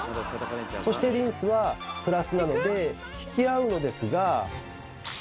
そしてリンスはプラスなので引き合うのですが。